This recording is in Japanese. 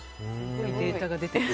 データが出てる。